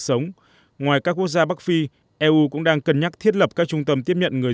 sống ngoài các quốc gia bắc phi eu cũng đang cân nhắc thiết lập các trung tâm tiếp nhận người